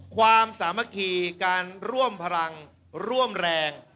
ความสามัคคีการร่วมพลังร่วมแรง